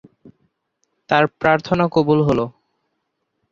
তার প্রার্থনা কবুল হলো।